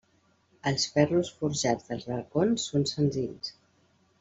Els ferros forjats dels balcons són senzills.